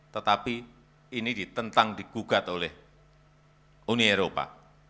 tetapi ini ditentang digugat oleh uni eropa